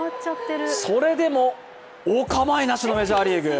それでもお構いなしのメジャーリーグ。